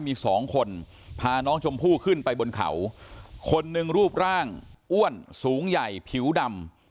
มีสองคนพาน้องชมพู่ขึ้นไปบนเขาคนหนึ่งรูปร่างอ้วนสูงใหญ่ผิวดำ